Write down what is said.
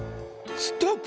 ストップ！